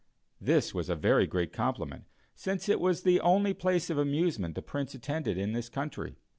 This was a very great compliment, since it was the only place of amusement the Prince attended in this country.